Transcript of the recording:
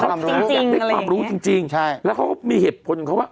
กรมรู้จริงเลยการรู้จริงใช่แล้วเขามีเหตุพลอยู่เขาว่า